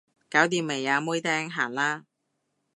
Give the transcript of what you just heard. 搞掂未啊妹釘，行啦